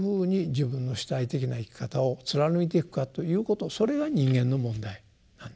自分が主体的な生き方を貫いていくかということそれが人間の問題なんですね。